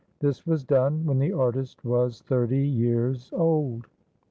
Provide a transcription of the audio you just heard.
This was done when the artist was thirty years old.